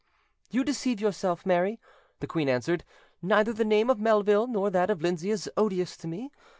"You deceive yourself, Mary," the queen answered: "neither the name of Melville nor that of Lindsay is odious to me.